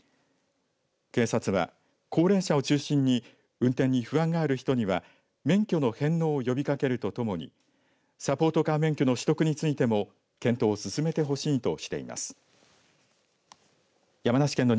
警察は、高齢者を中心に運転に不安がある人には免許の返納を呼び掛けるとともにサポートカー免許の取得についても検討を進めてほしいとしています。